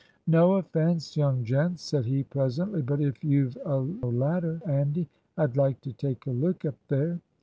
"No offence, young gents," said he presently; "but if you've a ladder 'andy, I'd like to take a look up there."